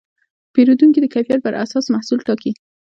پیرودونکي د کیفیت پر اساس محصول ټاکي.